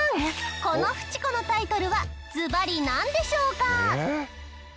このフチ子のタイトルはずばりなんでしょうか？